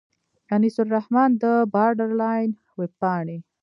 انیس الرحمن له باډرلاین وېبپاڼې.